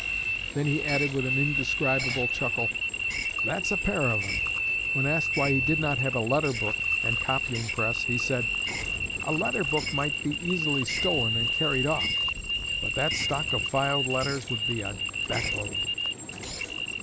Then he added, with an indescribable chuckle, 'That's a pair of 'em.' When asked why he did not have a letter book and copying press, he said, 'A letter book might be easily stolen and carried off, but that stock of filed letters would be a back load.'"